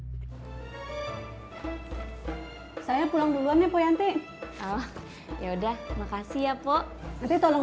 hai saya pulang duluan ya poyanti oh ya udah makasih ya poh nanti tolong